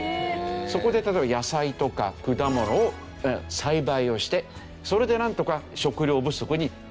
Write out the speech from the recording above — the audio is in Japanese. そこで例えば野菜とか果物を栽培をしてそれでなんとか食料不足に耐えていたという